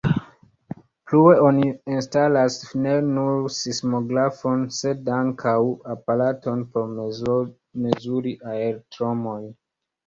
Plue oni instalas ne nur sismografon sed ankaŭ aparaton por mezuri aertremojn.